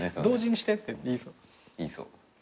「同時にして」って言いそう。